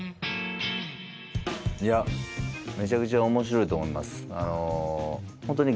めちゃくちゃ面白いと思います